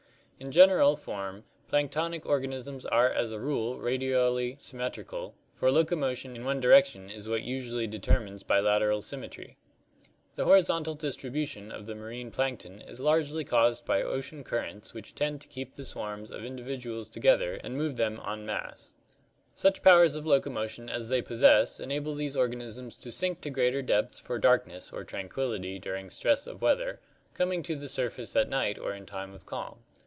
In general fish. Sarsia erimia. (After form plank tonic organisms are as a rule an'' radially symmetrical, for locomotion in one direction is what usu ally determines bilateral symmetry. (See Fig. 6.) The horizontal distribution of the marine plankton is largely caused by ocean currents which tend to keep the swarms of in dividuals together and move them en masse. Such powers of loco motion as they possess enable these organisms to sink to greater depths for darkness or tranquillity during stress of weather, coming to the surface at night or in time of calm.